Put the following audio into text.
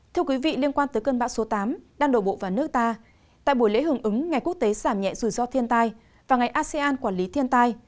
thưa quý vị liên quan tới cơn bão số tám đang đổ bộ vào nước ta tại buổi lễ hưởng ứng ngày quốc tế giảm nhẹ rủi ro thiên tai và ngày asean quản lý thiên tai